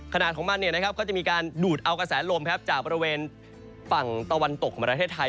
ขนาดของมันเนี่ยนะครับก็จะมีการดูดเอากระแสลมลมครับจากบริเวณฝั่งตะวันตกของประเทศไทย